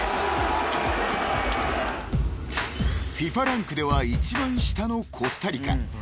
［ＦＩＦＡランクでは一番下のコスタリカ］